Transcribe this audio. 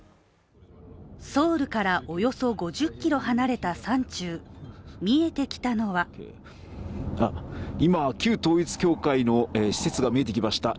ソウルからおよそ５０ｋｍ離れた山中、見えてきたのは今、旧統一教会の施設が見えてきました。